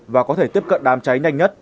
và có thể tiếp cận đám cháy nhanh nhất